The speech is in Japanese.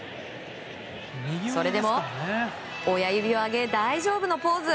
それでも親指を上げ大丈夫のポーズ。